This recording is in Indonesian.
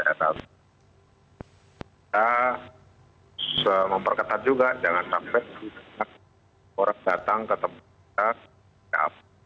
kita memperketat juga jangan sampai orang datang ke tempat kita